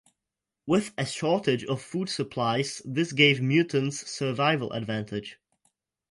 With a shortage of food supplies this gave mutants survival advantage.